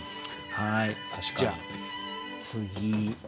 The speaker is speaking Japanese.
はい。